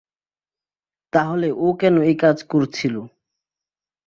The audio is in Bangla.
তাহলে ও কেন এই কাজ করেছিল?